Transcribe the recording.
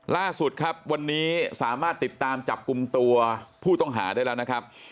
ล่าสุดครับวันนี้สามารถติดตามจับกลุ่มตัวผู้ต้องหาได้แล้วนะครับ